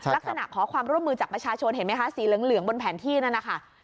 ขอความร่วมมือจากประชาชนเห็นไหมคะสีเหลืองบนแผนที่นั่นนะคะ